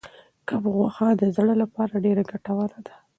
کب غوښه د زړه لپاره ډېره ګټوره ده.